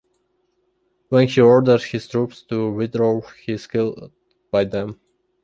When he orders his troops to withdraw, he is killed by them.